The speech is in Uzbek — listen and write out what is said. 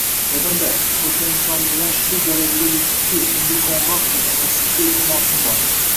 Yodimda, oʻsha inson bilan shu darajaga keldikki, unga qoʻngʻiroq qildim va sizga iltimosim bor